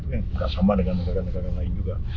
yang tidak sama dengan negara negara lain juga